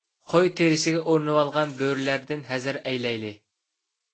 قوي تېرىسىگە ئورىنىۋالغان بۆرىلەردىن ھەزەر ئەيلەيلى.